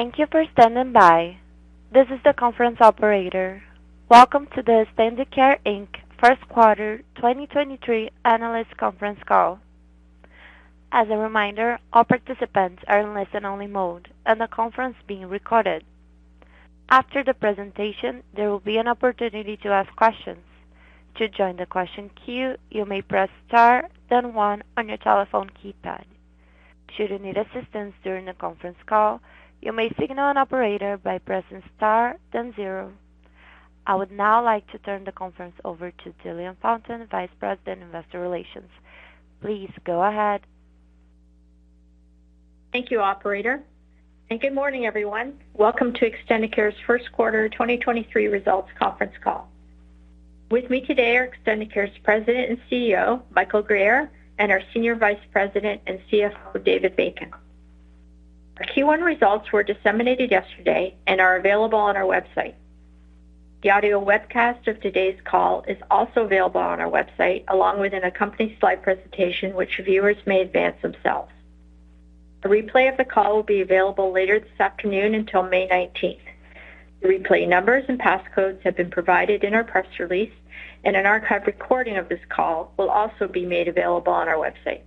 Thank you for standing by. This is the conference operator. Welcome to the Extendicare Inc. First Quarter 2023 analyst conference call. As a reminder, all participants are in listen-only mode and the conference being recorded. After the presentation, there will be an opportunity to ask questions. To join the question queue, you may press Star, then 1 on your telephone keypad. Should you need assistance during the conference call, you may signal an operator by pressing Star, then 0. I would now like to turn the conference over to Jillian Fountain, Vice President, Investor Relations. Please go ahead. Thank you, operator. Good morning, everyone. Welcome to Extendicare's first quarter 2023 results conference call. With me today are Extendicare's President and CEO, Michael Guerriere, and our Senior Vice President and CFO, David Bacon. Our Q1 results were disseminated yesterday and are available on our website. The audio webcast of today's call is also available on our website, along with an accompanying slide presentation which viewers may advance themselves. The replay of the call will be available later this afternoon until May 19th. The replay numbers and passcodes have been provided in our press release, and an archive recording of this call will also be made available on our website.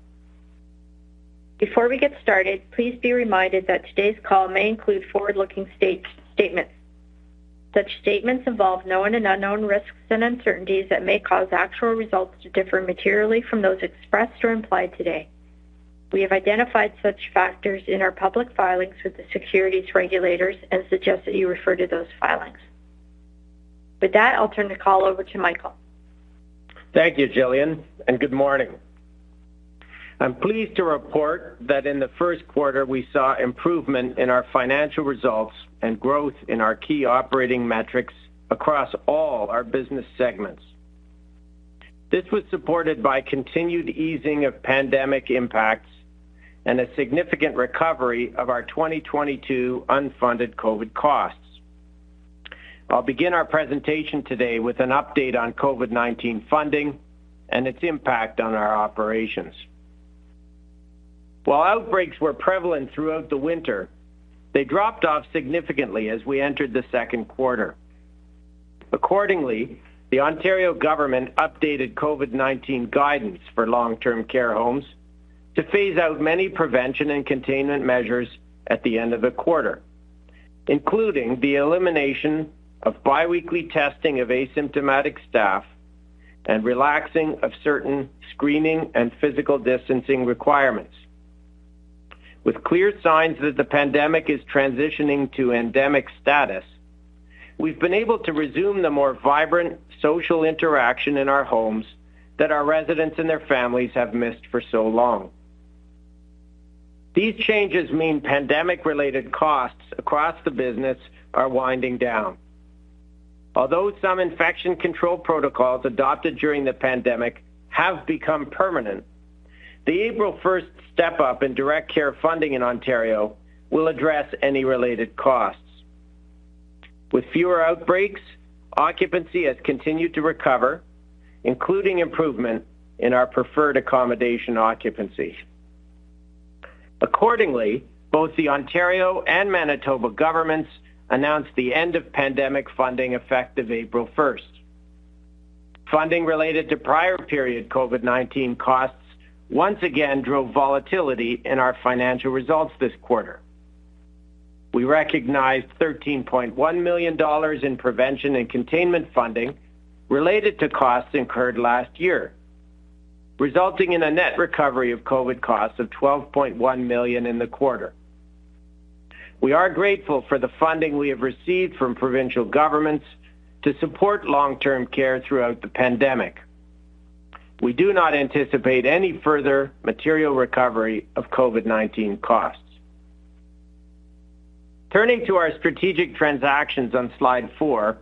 Before we get started, please be reminded that today's call may include forward-looking statements. Such statements involve known and unknown risks and uncertainties that may cause actual results to differ materially from those expressed or implied today. We have identified such factors in our public filings with the securities regulators and suggest that you refer to those filings. With that, I'll turn the call over to Michael. Thank you, Jillian, good morning. I'm pleased to report that in the first quarter, we saw improvement in our financial results and growth in our key operating metrics across all our business segments. This was supported by continued easing of pandemic impacts and a significant recovery of our 2022 unfunded COVID-19 costs. I'll begin our presentation today with an update on COVID-19 funding and its impact on our operations. While outbreaks were prevalent throughout the winter, they dropped off significantly as we entered the second quarter. Accordingly, the Ontario government updated COVID-19 guidance for long-term care homes to phase out many prevention and containment measures at the end of the quarter, including the elimination of biweekly testing of asymptomatic staff and relaxing of certain screening and physical distancing requirements. With clear signs that the pandemic is transitioning to endemic status, we've been able to resume the more vibrant social interaction in our homes that our residents and their families have missed for so long. These changes mean pandemic-related costs across the business are winding down. Although some infection control protocols adopted during the pandemic have become permanent, the April first step-up in direct care funding in Ontario will address any related costs. With fewer outbreaks, occupancy has continued to recover, including improvement in our preferred accommodation occupancy. Accordingly, both the Ontario and Manitoba governments announced the end of pandemic funding effective April first. Funding related to prior period COVID-19 costs once again drove volatility in our financial results this quarter. We recognized 13.1 million dollars in prevention and containment funding related to costs incurred last year, resulting in a net recovery of COVID costs of 12.1 million in the quarter. We are grateful for the funding we have received from provincial governments to support long-term care throughout the pandemic. We do not anticipate any further material recovery of COVID-19 costs. Turning to our strategic transactions on slide four,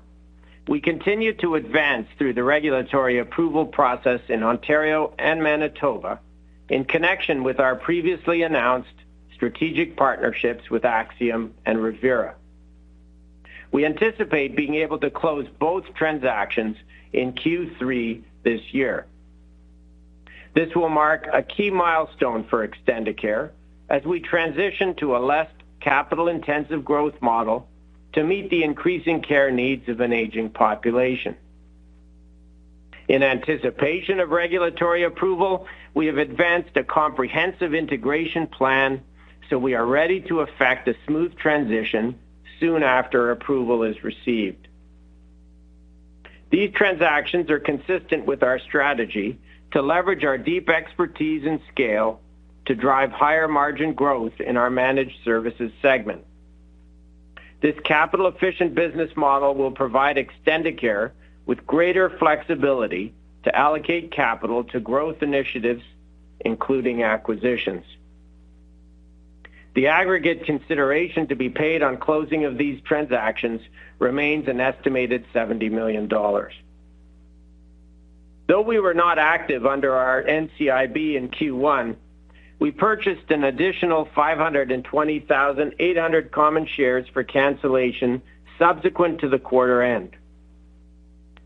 we continue to advance through the regulatory approval process in Ontario and Manitoba in connection with our previously announced strategic partnerships with Axium and Revera. We anticipate being able to close both transactions in Q3 this year. This will mark a key milestone for Extendicare as we transition to a less capital-intensive growth model to meet the increasing care needs of an aging population. In anticipation of regulatory approval, we have advanced a comprehensive integration plan, so we are ready to effect a smooth transition soon after approval is received. These transactions are consistent with our strategy to leverage our deep expertise and scale to drive higher-margin growth in our managed services segment. This capital-efficient business model will provide Extendicare with greater flexibility to allocate capital to growth initiatives, including acquisitions. The aggregate consideration to be paid on closing of these transactions remains an estimated 70 million dollars. Though we were not active under our NCIB in Q1, we purchased an additional 520,800 common shares for cancellation subsequent to the quarter end.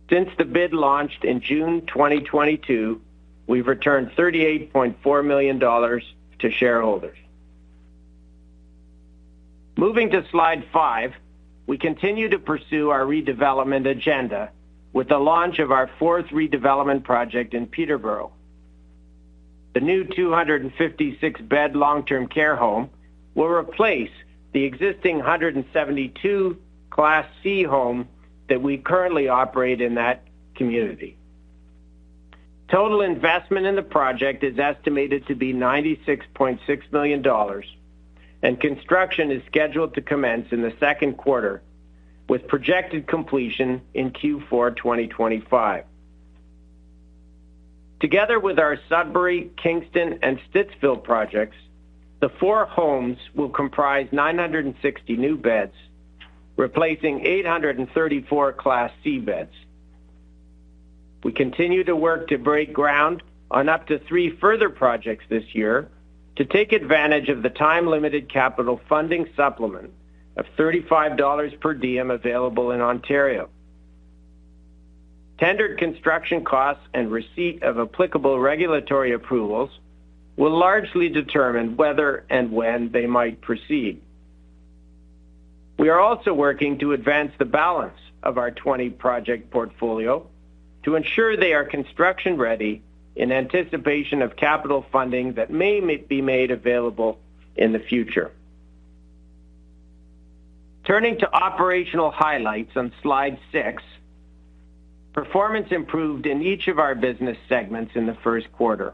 Since the bid launched in June 2022, we've returned 38.4 million dollars to shareholders. Moving to slide 5, we continue to pursue our redevelopment agenda with the launch of our fourth redevelopment project in Peterborough. The new 256 bed long-term care home will replace the existing 172 Class C home that we currently operate in that community. Total investment in the project is estimated to be 96.6 million dollars, and construction is scheduled to commence in the second quarter, with projected completion in Q4 2025. Together with our Sudbury, Kingston, and Stittsville projects, the 4 homes will comprise 960 new beds, replacing 834 Class C beds. We continue to work to break ground on up to 3 further projects this year to take advantage of the time-limited capital funding supplement of 35 dollars per diem available in Ontario. Tendered construction costs and receipt of applicable regulatory approvals will largely determine whether and when they might proceed. We are also working to advance the balance of our 20 project portfolio to ensure they are construction-ready in anticipation of capital funding that may be made available in the future. Turning to operational highlights on Slide 6, performance improved in each of our business segments in the first quarter.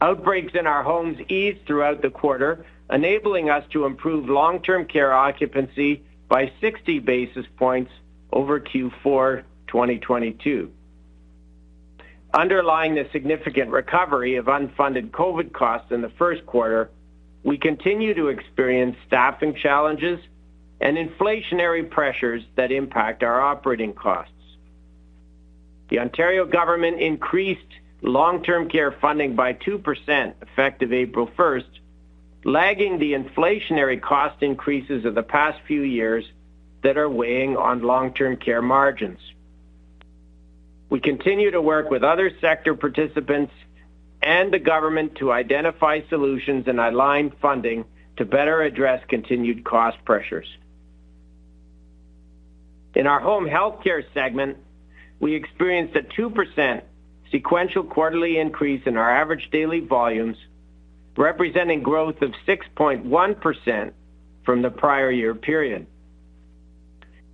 Outbreaks in our homes eased throughout the quarter, enabling us to improve long-term care occupancy by 60 basis points over Q4 2022. Underlying the significant recovery of unfunded COVID costs in the first quarter, we continue to experience staffing challenges and inflationary pressures that impact our operating costs. The Ontario government increased long-term care funding by 2%, effective April 1st, lagging the inflationary cost increases of the past few years that are weighing on long-term care margins. We continue to work with other sector participants and the government to identify solutions and align funding to better address continued cost pressures. In our home healthcare segment, we experienced a 2% sequential quarterly increase in our average daily volumes, representing growth of 6.1% from the prior year period.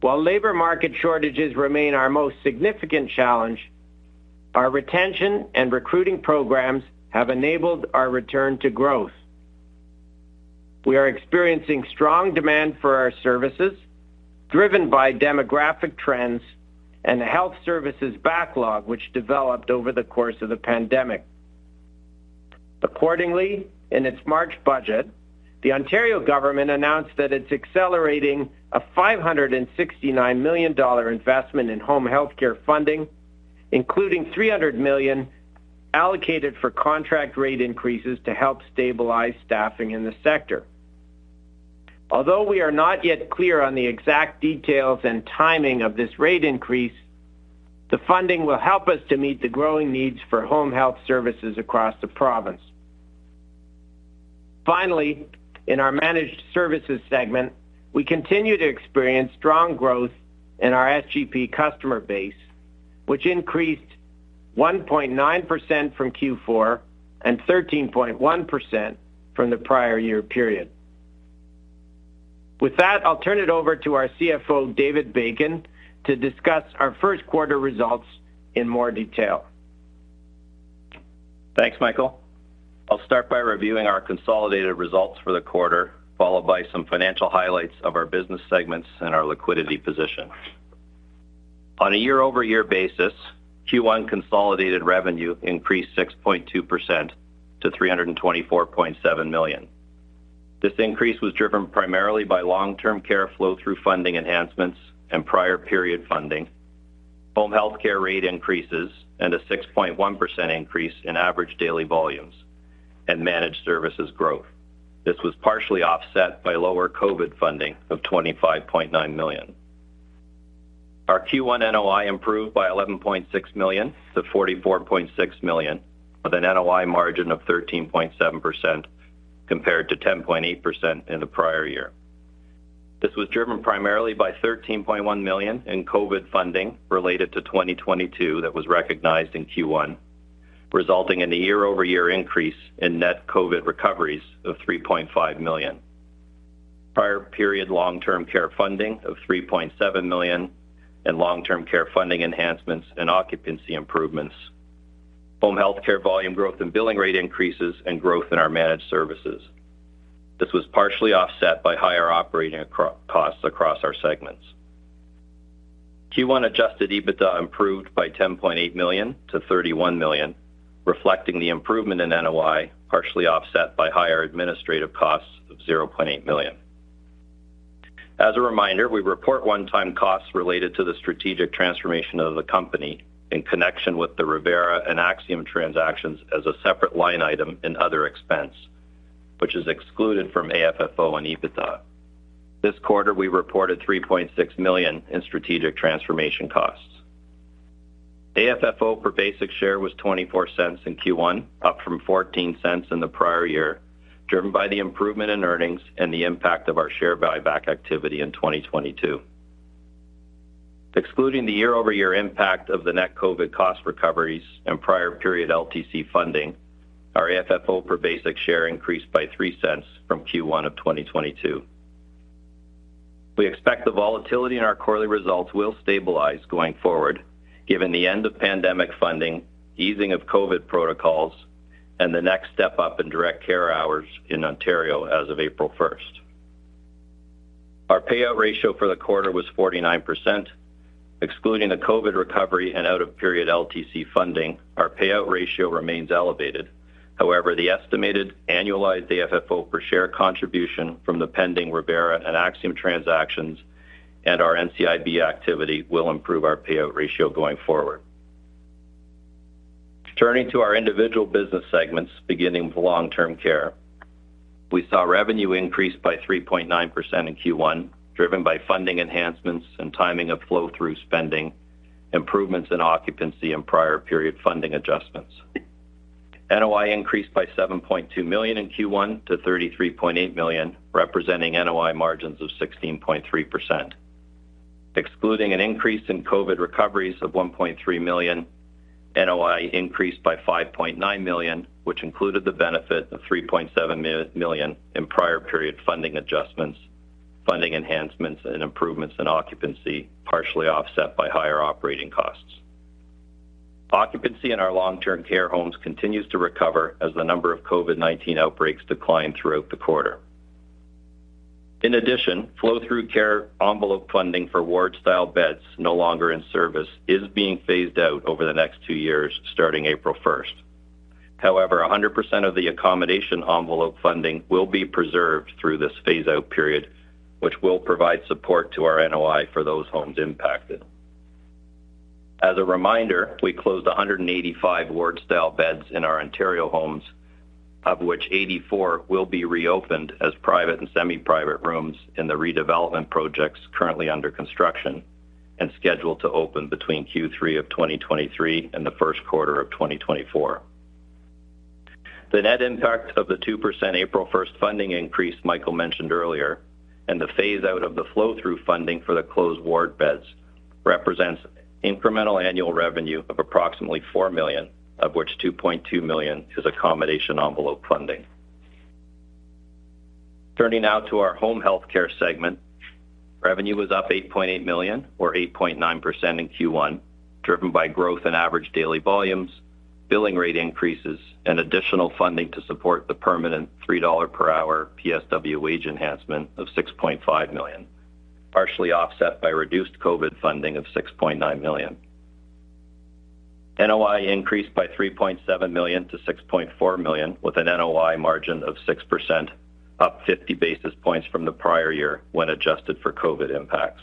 While labor market shortages remain our most significant challenge, our retention and recruiting programs have enabled our return to growth. We are experiencing strong demand for our services, driven by demographic trends and the health services backlog, which developed over the course of the pandemic. Accordingly, in its March budget, the Ontario government announced that it's accelerating a 569 million dollar investment in home healthcare funding, including 300 million allocated for contract rate increases to help stabilize staffing in the sector. Although we are not yet clear on the exact details and timing of this rate increase, the funding will help us to meet the growing needs for home health services across the province. In our managed services segment, we continue to experience strong growth in our SGP customer base, which increased 1.9% from Q4 and 13.1% from the prior year period. With that, I'll turn it over to our CFO, David Bacon, to discuss our first quarter results in more detail. Thanks, Michael. I'll start by reviewing our consolidated results for the quarter, followed by some financial highlights of our business segments and our liquidity position. On a year-over-year basis, Q1 consolidated revenue increased 6.2% to 324.7 million. This increase was driven primarily by long-term care flow through funding enhancements and prior period funding, home healthcare rate increases, and a 6.1% increase in average daily volumes and managed services growth. This was partially offset by lower COVID funding of 25.9 million. Our Q1 NOI improved by 11.6 million to 44.6 million, with an NOI margin of 13.7% compared to 10.8% in the prior year. This was driven primarily by 13.1 million in COVID funding related to 2022 that was recognized in Q1, resulting in a year-over-year increase in net COVID recoveries of 3.5 million. Prior period long-term care funding of 3.7 million and long-term care funding enhancements and occupancy improvements. Home healthcare volume growth and billing rate increases and growth in our managed services. This was partially offset by higher operating costs across our segments. Q1 adjusted EBITDA improved by 10.8 million to 31 million, reflecting the improvement in NOI, partially offset by higher administrative costs of 0.8 million. As a reminder, we report one-time costs related to the strategic transformation of the company in connection with the Revera and Axium transactions as a separate line item in other expense. Which is excluded from AFFO and EBITDA. This quarter, we reported 3.6 million in strategic transformation costs. AFFO per basic share was 0.24 in Q1, up from 0.14 in the prior year, driven by the improvement in earnings and the impact of our share buyback activity in 2022. Excluding the year-over-year impact of the net COVID cost recoveries and prior period LTC funding, our AFFO per basic share increased by 0.03 from Q1 of 2022. We expect the volatility in our quarterly results will stabilize going forward given the end of pandemic funding, easing of COVID protocols, and the next step up in direct care hours in Ontario as of April 1st. Our payout ratio for the quarter was 49%. Excluding the COVID recovery and out of period LTC funding, our payout ratio remains elevated. The estimated annualized AFFO per share contribution from the pending Revera and Axium transactions and our NCIB activity will improve our payout ratio going forward. Turning to our individual business segments, beginning with long-term care. We saw revenue increase by 3.9% in Q1, driven by funding enhancements and timing of flow-through spending, improvements in occupancy and prior period funding adjustments. NOI increased by 7.2 million in Q1 to 33.8 million, representing NOI margins of 16.3%. Excluding an increase in COVID recoveries of 1.3 million, NOI increased by 5.9 million, which included the benefit of 3.7 million in prior period funding adjustments, funding enhancements and improvements in occupancy, partially offset by higher operating costs. Occupancy in our long-term care homes continues to recover as the number of COVID-19 outbreaks declined throughout the quarter. In addition, flow-through care envelope funding for ward-style beds no longer in service is being phased out over the next two years, starting April 1st. However, 100% of the accommodation envelope funding will be preserved through this phase-out period, which will provide support to our NOI for those homes impacted. As a reminder, we closed 185 ward-style beds in our Ontario homes, of which 84 will be reopened as private and semi-private rooms in the redevelopment projects currently under construction and scheduled to open between Q3 of 2023 and the 1st quarter of 2024. The net impact of the 2% April 1st funding increase Michael Guerriere mentioned earlier and the phase out of the flow-through funding for the closed ward beds represents incremental annual revenue of approximately 4 million, of which 2.2 million is accommodation envelope funding. Turning now to our home health care segment. Revenue was up 8.8 million or 8.9% in Q1, driven by growth in average daily volumes, billing rate increases, and additional funding to support the permanent 3 dollar per hour PSW wage enhancement of 6.5 million, partially offset by reduced COVID funding of 6.9 million. NOI increased by 3.7 million to 6.4 million, with an NOI margin of 6%, up 50 basis points from the prior year when adjusted for COVID impacts.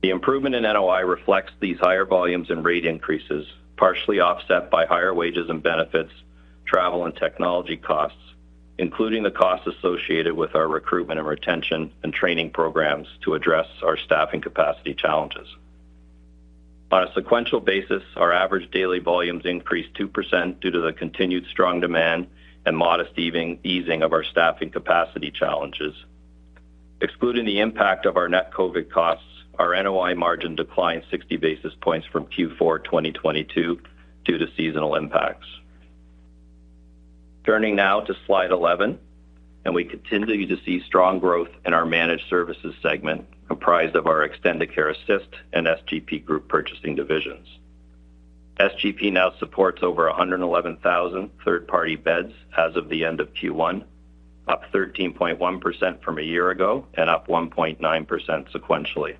The improvement in NOI reflects these higher volumes and rate increases, partially offset by higher wages and benefits, travel and technology costs, including the costs associated with our recruitment and retention and training programs to address our staffing capacity challenges. On a sequential basis, our average daily volumes increased 2% due to the continued strong demand and modest easing of our staffing capacity challenges. Excluding the impact of our net COVID-19 costs, our NOI margin declined 60 basis points from Q4 2022 due to seasonal impacts. Turning now to slide 11, we continue to see strong growth in our managed services segment, comprised of our Extendicare Assist and SGP group purchasing divisions. SGP now supports over 111,000 third-party beds as of the end of Q1, up 13.1% from a year ago and up 1.9% sequentially.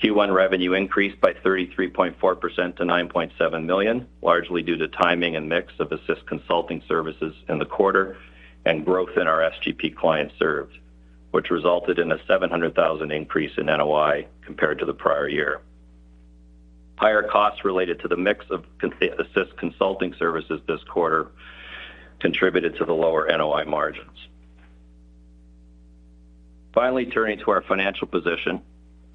Q1 revenue increased by 33.4% to 9.7 million, largely due to timing and mix of Assist consulting services in the quarter and growth in our SGP clients served, which resulted in a 700,000 increase in NOI compared to the prior year. Higher costs related to the mix of Assist consulting services this quarter contributed to the lower NOI margins. Finally, turning to our financial position.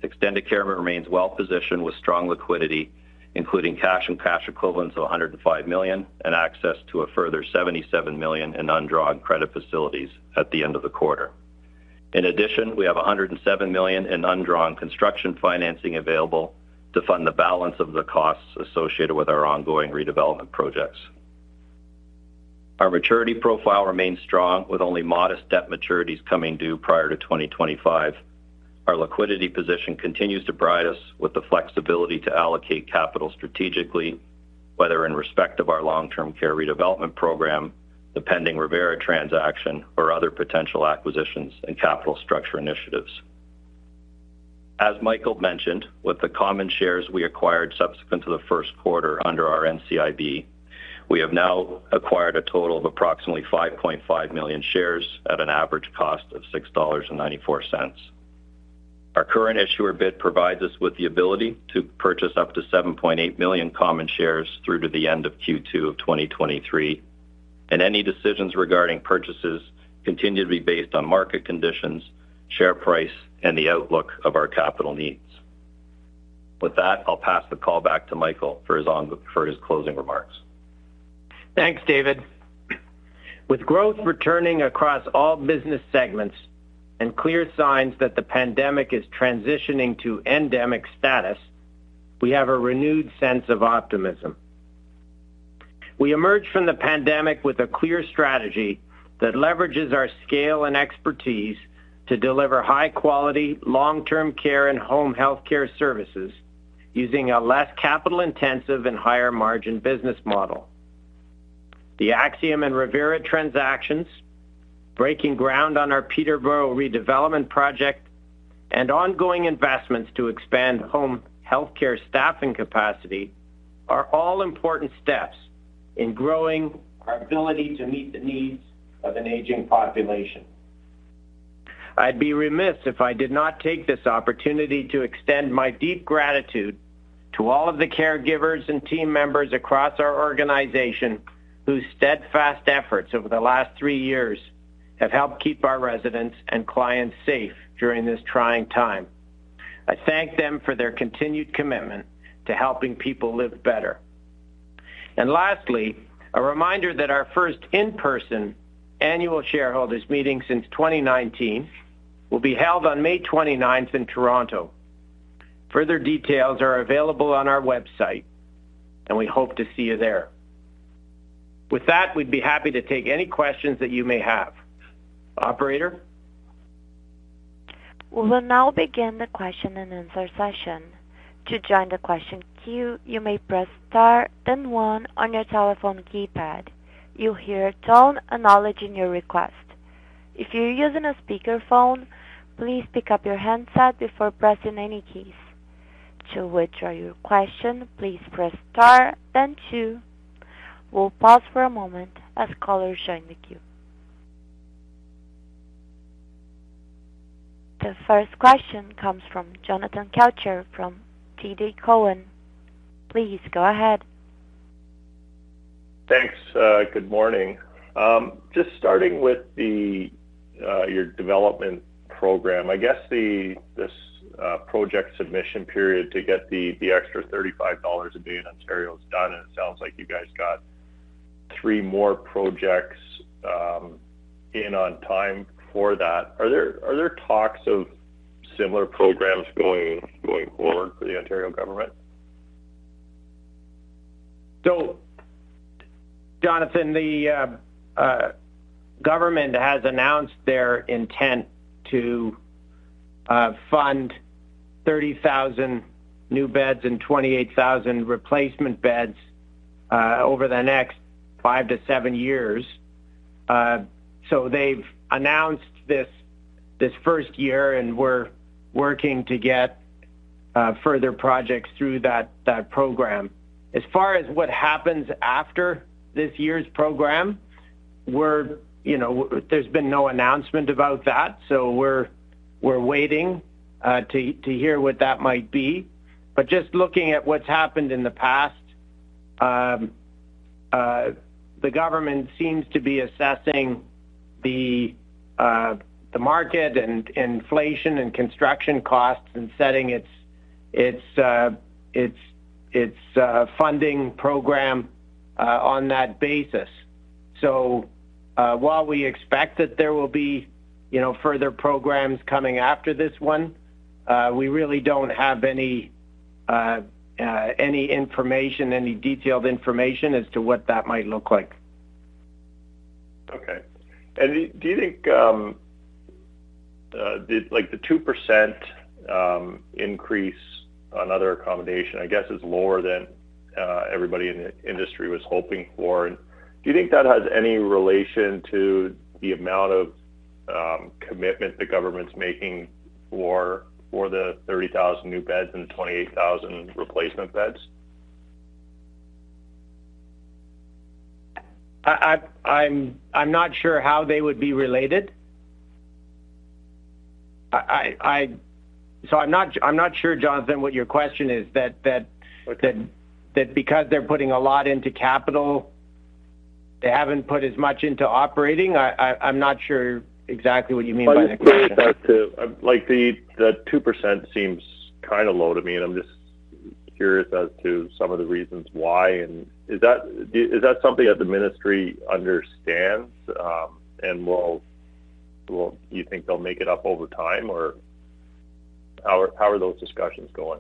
Extendicare remains well positioned with strong liquidity, including cash and cash equivalents of 105 million and access to a further 77 million in undrawn credit facilities at the end of the quarter. In addition, we have 107 million in undrawn construction financing available to fund the balance of the costs associated with our ongoing redevelopment projects. Our maturity profile remains strong, with only modest debt maturities coming due prior to 2025. Our liquidity position continues to provide us with the flexibility to allocate capital strategically, whether in respect of our long-term care redevelopment program, the pending Revera transaction, or other potential acquisitions and capital structure initiatives. As Michael mentioned, with the common shares we acquired subsequent to the first quarter under our NCIB, we have now acquired a total of approximately 5.5 million shares at an average cost of 6.94 dollars. Our current issuer bid provides us with the ability to purchase up to 7.8 million common shares through to the end of Q2 of 2023. Any decisions regarding purchases continue to be based on market conditions, share price, and the outlook of our capital needs. With that, I'll pass the call back to Michael for his closing remarks. Thanks, David. With growth returning across all business segments and clear signs that the pandemic is transitioning to endemic status, we have a renewed sense of optimism. We emerged from the pandemic with a clear strategy that leverages our scale and expertise to deliver high-quality long-term care and home health care services using a less capital-intensive and higher margin business model. The Axium and Revera transactions, breaking ground on our Peterborough redevelopment project, and ongoing investments to expand home health care staffing capacity are all important steps in growing our ability to meet the needs of an aging population. I'd be remiss if I did not take this opportunity to extend my deep gratitude to all of the caregivers and team members across our organization whose steadfast efforts over the last three years have helped keep our residents and clients safe during this trying time. I thank them for their continued commitment to helping people live better. Lastly, a reminder that our first in-person annual shareholders meeting since 2019 will be held on May 29th in Toronto. Further details are available on our website, and we hope to see you there. With that, we'd be happy to take any questions that you may have. Operator? We will now begin the question-and-answer session. To join the question queue, you may press Star, then One on your telephone keypad. You'll hear a tone acknowledging your request. If you're using a speakerphone, please pick up your handset before pressing any keys. To withdraw your question, please press Star, then Two. We'll pause for a moment as callers join the queue. The first question comes from Jonathan Kelcher from TD Cowen. Please go ahead. Thanks. Good morning. Just starting with your development program, I guess this project submission period to get the extra 35 dollars a day in Ontario is done. It sounds like you guys got three more projects, in on time for that. Are there talks of similar programs going forward for the Ontario government? Jonathan Kelcher, the government has announced their intent to fund 30,000 new beds and 28,000 replacement beds over the next 5-7 years. They've announced this first year, and we're working to get further projects through that program. As far as what happens after this year's program, we're, you know, there's been no announcement about that, so we're waiting to hear what that might be. Just looking at what's happened in the past, the government seems to be assessing the market and inflation and construction costs and setting its funding program on that basis. While we expect that there will be, you know, further programs coming after this one, we really don't have any information, any detailed information as to what that might look like. Okay. Do you think the 2% increase on other accommodation, I guess, is lower than everybody in the industry was hoping for? Do you think that has any relation to the amount of commitment the government's making for the 30,000 new beds and the 28,000 replacement beds? I'm not sure how they would be related. I'm not sure, Jonathan, what your question is. Okay. That because they're putting a lot into capital, they haven't put as much into operating? I'm not sure exactly what you mean by the question. Let me rephrase that to, like, the 2% seems kind of low to me, and I'm just curious as to some of the reasons why. Is that, is that something that the ministry understands, and will do you think they'll make it up over time? How are, how are those discussions going?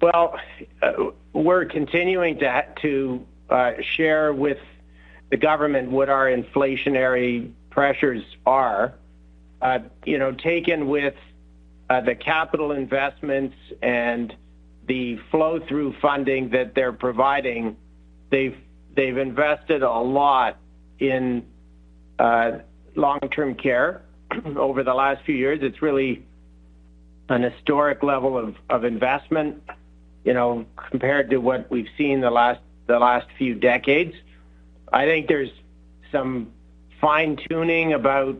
Well, we're continuing to share with the government what our inflationary pressures are. You know, taken with the capital investments and the flow-through funding that they're providing, they've invested a lot in long-term care over the last few years. It's really an historic level of investment, you know, compared to what we've seen in the last few decades. I think there's some fine-tuning about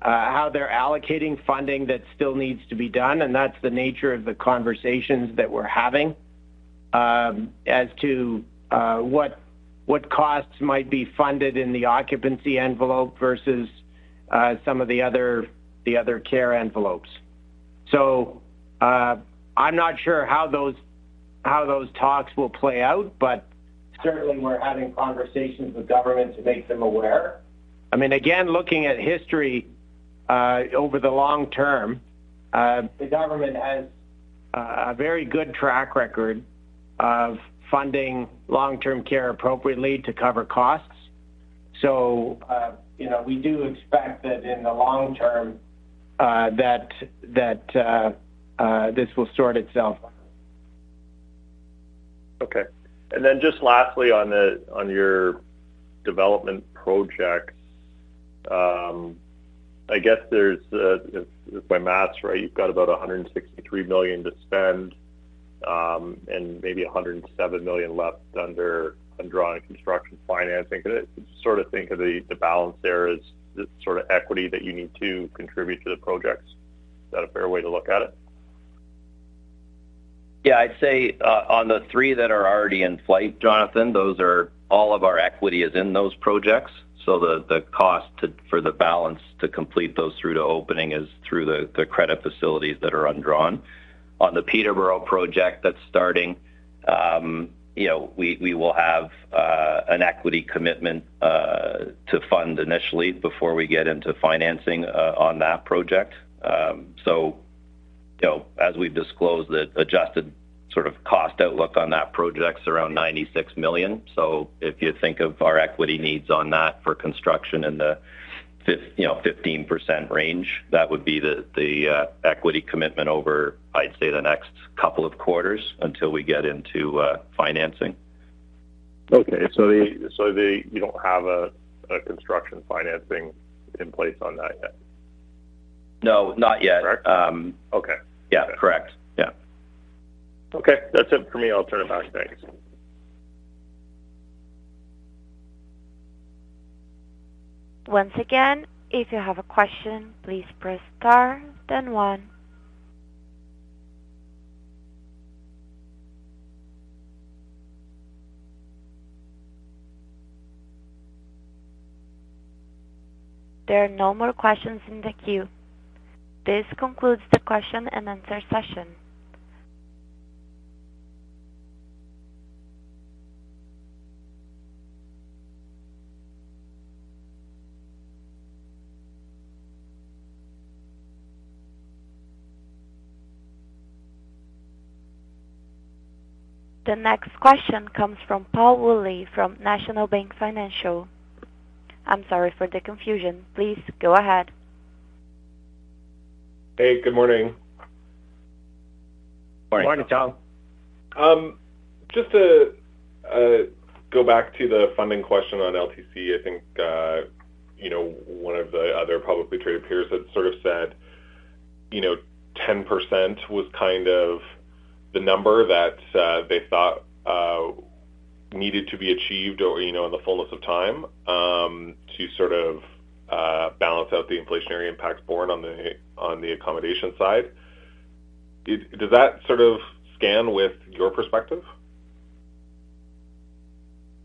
how they're allocating funding that still needs to be done. That's the nature of the conversations that we're having as to what costs might be funded in the occupancy envelope versus some of the other care envelopes. I'm not sure how those talks will play out, certainly we're having conversations with government to make them aware. I mean, again, looking at history, over the long term, the government has a very good track record of funding long-term care appropriately to cover costs. You know, we do expect that in the long term, that this will sort itself. Okay. Just lastly on your development projects, I guess there's, if my math's right, you've got about 163 million to spend, and maybe 107 million left under undrawn construction financing. Could I sort of think of the balance there as the sort of equity that you need to contribute to the projects? Is that a fair way to look at it? I'd say, on the three that are already in flight, Jonathan, those are all of our equity is in those projects. The, the cost for the balance to complete those through to opening is through the credit facilities that are undrawn. On the Peterborough project that's starting, you know, we will have an equity commitment to fund initially before we get into financing on that project. You know, as we've disclosed, the adjusted sort of cost outlook on that project's around 96 million. If you think of our equity needs on that for construction in the you know, 15% range, that would be the equity commitment over, I'd say, the next couple of quarters until we get into financing. Okay. You don't have a construction financing in place on that yet? No, not yet. Correct. Okay. Yeah, correct. Yeah. Okay. That's it for me. I'll turn it back. Thanks. Once again, if you have a question, please press star then one. There are no more questions in the queue. This concludes the question and answer session. The next question comes from Paul Woolley from National Bank Financial. I'm sorry for the confusion. Please go ahead. Hey, good morning. Morning. Morning, Tom. Just to go back to the funding question on LTC, I think, you know, one of the other publicly traded peers had sort of said, you know, 10% was kind of the number that they thought needed to be achieved or, you know, in the fullness of time, to sort of balance out the inflationary impacts borne on the, on the accommodation side. Does that sort of scan with your perspective?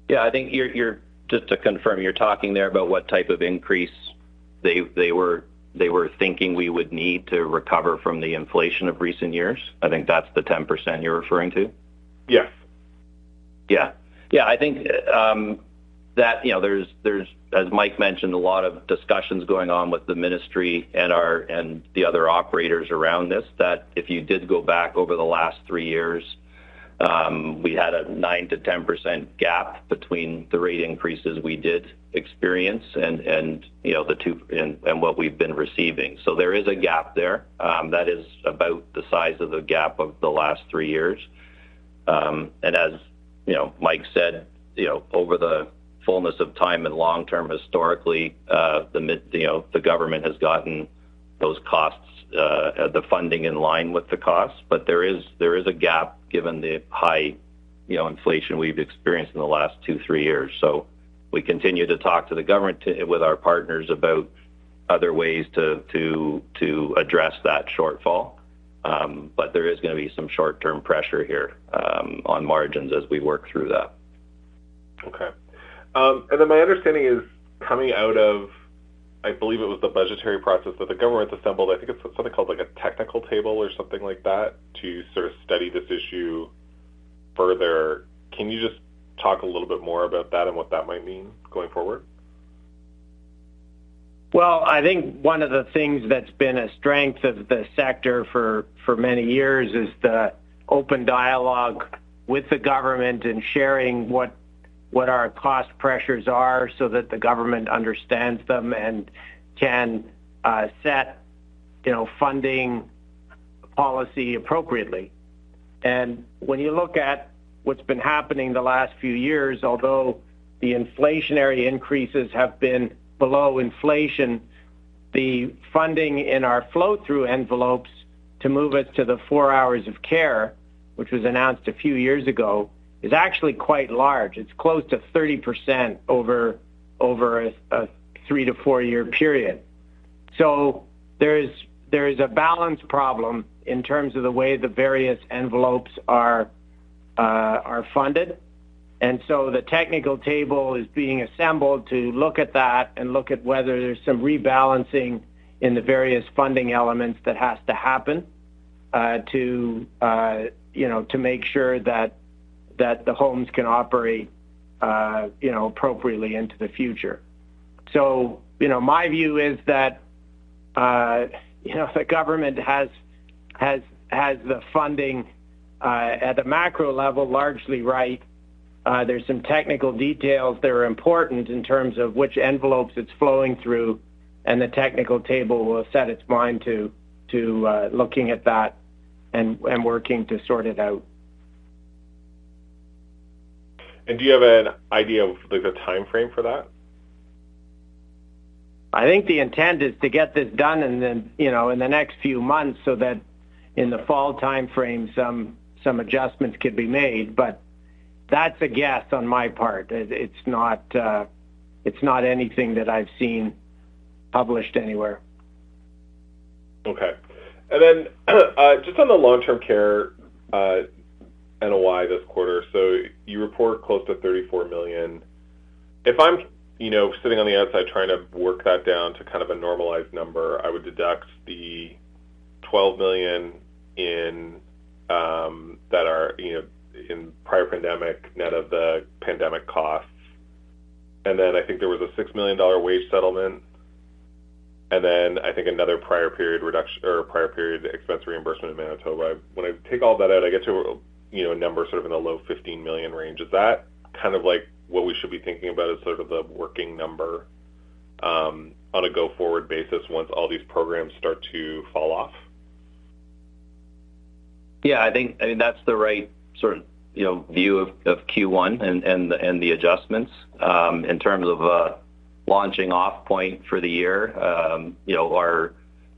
Yeah. I think you're just to confirm, you're talking there about what type of increase they were thinking we would need to recover from the inflation of recent years? I think that's the 10% you're referring to. Yeah. Yeah. Yeah, I think, that, you know, there's as Mike mentioned, a lot of discussions going on with the ministry and the other operators around this, that if you did go back over the last 3 years, we had a 9%-10% gap between the rate increases we did experience and, you know, what we've been receiving. There is a gap there, that is about the size of the gap of the last 3 years. As, you know, Mike said, you know, over the fullness of time in long term, historically, you know, the government has gotten those costs, the funding in line with the costs. There is a gap given the high, you know, inflation we've experienced in the last 2, 3 years. We continue to talk to the government with our partners about other ways to address that shortfall. There is gonna be some short-term pressure here, on margins as we work through that. Okay. My understanding is coming out of, I believe it was the budgetary process that the government's assembled, I think it's something called like a technical table or something like that, to sort of study this issue further. Can you just talk a little bit more about that and what that might mean going forward? Well, I think one of the things that's been a strength of the sector for many years is the open dialogue with the government and sharing what our cost pressures are so that the government understands them and can set, you know, funding policy appropriately. When you look at what's been happening the last few years, although the inflationary increases have been below inflation. The funding in our flow through envelopes to move it to the 4 hours of care, which was announced a few years ago, is actually quite large. It's close to 30% over a 3- to 4-year period. There is a balance problem in terms of the way the various envelopes are funded. The technical table is being assembled to look at that and look at whether there's some rebalancing in the various funding elements that has to happen, to, you know, to make sure that, the homes can operate, you know, appropriately into the future. You know, my view is that, you know, the government has the funding, at the macro level, largely right. There's some technical details that are important in terms of which envelopes it's flowing through, and the technical table will set its mind to, looking at that and working to sort it out. Do you have an idea of, like, the timeframe for that? I think the intent is to get this done in the, you know, in the next few months so that in the fall timeframe, some adjustments could be made. That's a guess on my part. It's not anything that I've seen published anywhere. Okay. Just on the long-term care NOI this quarter. You report close to 34 million. If I'm, you know, sitting on the outside trying to work that down to kind of a normalized number, I would deduct the 12 million in that are, you know, in prior pandemic, net of the pandemic costs. I think there was a 6 million dollar wage settlement, I think another prior period expense reimbursement in Manitoba. When I take all that out, I get to, you know, a number sort of in the low 15 million range. Is that kind of, like, what we should be thinking about as sort of the working number on a go-forward basis once all these programs start to fall off? Yeah, I think, I mean, that's the right sort of, you know, view of Q1 and the adjustments. In terms of a launching off point for the year, you know,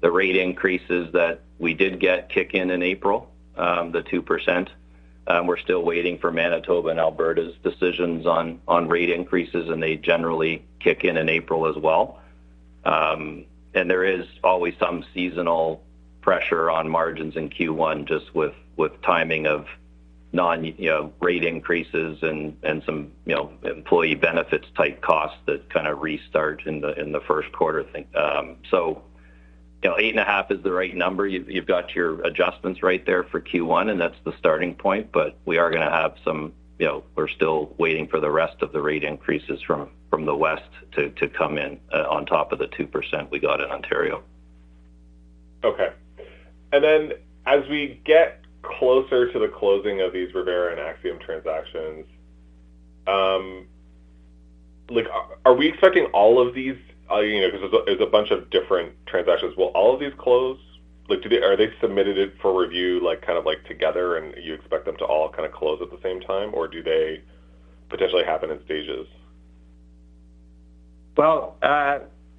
the rate increases that we did get kick in in April, the 2%. We're still waiting for Manitoba and Alberta's decisions on rate increases, and they generally kick in in April as well. There is always some seasonal pressure on margins in Q1 just with timing of non, you know, rate increases and some, you know, employee benefits type costs that kind of restart in the first quarter thing. You know, 8.5 is the right number. You've got your adjustments right there for Q1, and that's the starting point. We are gonna have some... You know, we're still waiting for the rest of the rate increases from the West to come in, on top of the 2% we got in Ontario. Okay. Then as we get closer to the closing of these Revera and Axium transactions, like, are we expecting all of these... you know, 'cause there's a bunch of different transactions. Will all of these close? Like, Are they submitted it for review, like, kind of like together and you expect them to all kind of close at the same time, or do they potentially happen in stages?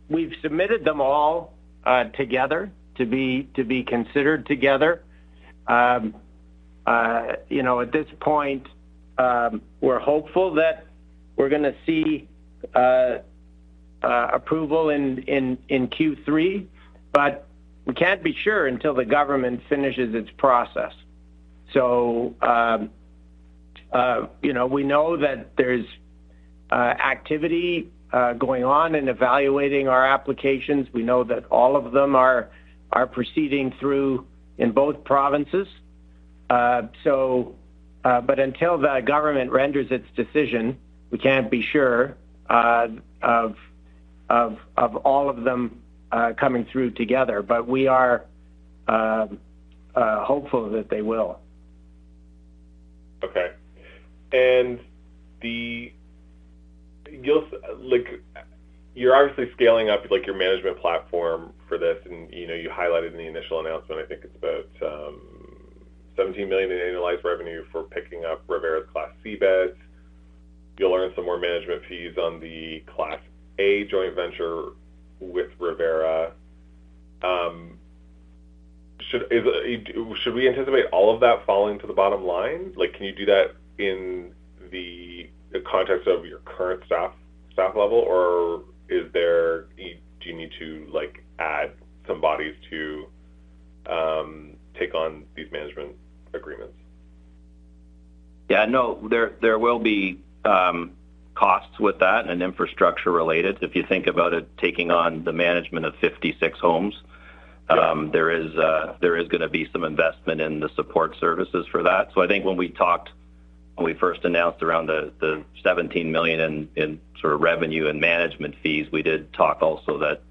We've submitted them all together to be considered together. You know, at this point, we're hopeful that we're gonna see approval in Q3, but we can't be sure until the government finishes its process. You know, we know that there's activity going on in evaluating our applications. We know that all of them are proceeding through in both provinces. Until the government renders its decision, we can't be sure of all of them coming through together. We are hopeful that they will. Okay. Like, you're obviously scaling up, like, your management platform for this, and, you know, you highlighted in the initial announcement, I think it's about 17 million in annualized revenue for picking up Revera's Class C beds. You'll earn some more management fees on the Class A joint venture with Revera. Should we anticipate all of that falling to the bottom line? Like, can you do that in the context of your current staff level, or is there... Do you need to, like, add some bodies to take on these management agreements? Yeah, no, there will be costs with that and infrastructure related. If you think about it, taking on the management of 56 homes. Yeah... there is gonna be some investment in the support services for that. I think when we talked, when we first announced around the 17 million in sort of revenue and management fees, we did talk also that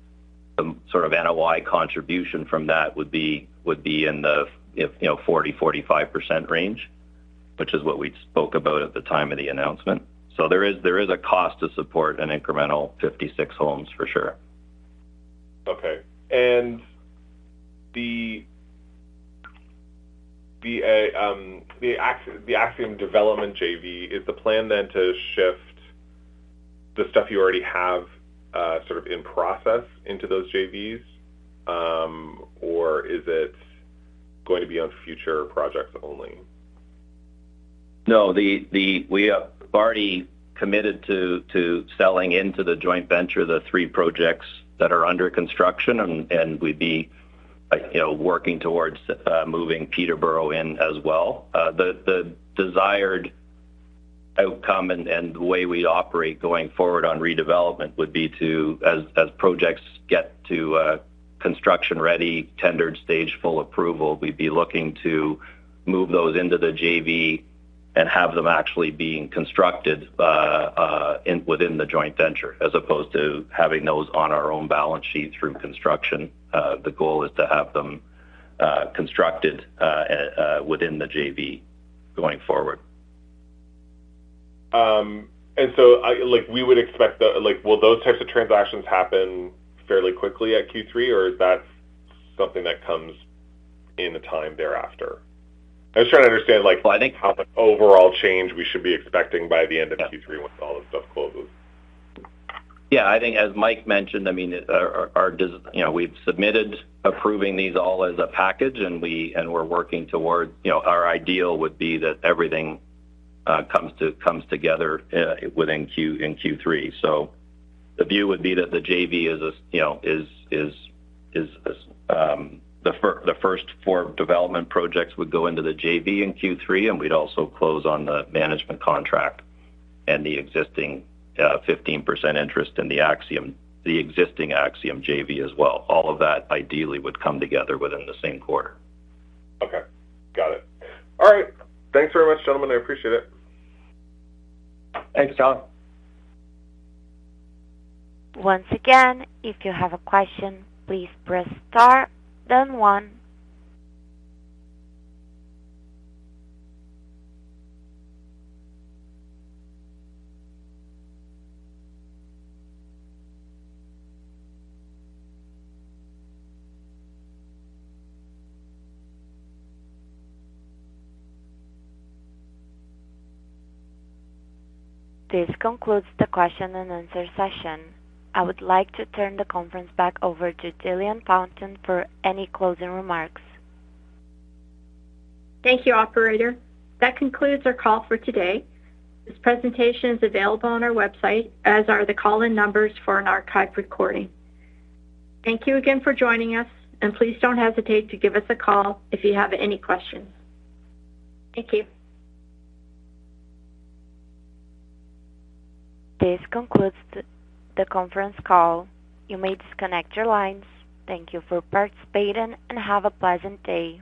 some sort of NOI contribution from that would be in the, if, you know, 40%-45% range, which is what we spoke about at the time of the announcement. There is a cost to support an incremental 56 homes for sure. Okay. The Axium development JV, is the plan then to shift the stuff you already have, sort of in process into those JVs, or is it going to be on future projects only? No. We have already committed to selling into the joint venture, the three projects that are under construction, and we'd be, you know, working towards moving Peterborough in as well. The desired outcome and the way we operate going forward on redevelopment would be to, as projects get to construction ready, tendered stage full approval, we'd be looking to move those into the JV and have them actually being constructed within the joint venture as opposed to having those on our own balance sheet through construction. The goal is to have them constructed within the JV going forward. Like, we would expect the... Like, will those types of transactions happen fairly quickly at Q3, or is that something that comes in the time thereafter? I was trying to understand. Well, -how the overall change we should be expecting by the end of Q3 once all this stuff closes. I think as Mike mentioned, I mean, our, you know, we've submitted approving these all as a package, we're working towards. You know, our ideal would be that everything comes together in Q3. The view would be that the JV is, you know, the first 4 development projects would go into the JV in Q3, and we'd also close on the management contract and the existing 15% interest in the Axium, the existing Axium JV as well. All of that ideally would come together within the same quarter. Okay. Got it. All right. Thanks very much, gentlemen. I appreciate it. Thanks, John. Once again, if you have a question, please press star then one. This concludes the question and answer session. I would like to turn the conference back over to Jillian Fountain for any closing remarks. Thank you, operator. That concludes our call for today. This presentation is available on our website, as are the call-in numbers for an archive recording. Thank you again for joining us, and please don't hesitate to give us a call if you have any questions. Thank you. This concludes the conference call. You may disconnect your lines. Thank you for participating, and have a pleasant day.